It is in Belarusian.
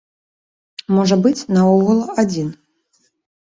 Можа быць, наогул адзін.